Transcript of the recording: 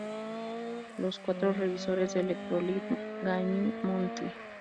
Los cuatro revisores de Electronic Gaming Monthly.